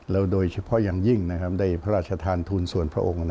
โดยเฉพาะอย่างยิ่งได้พระราชทานทุนส่วนพระองค์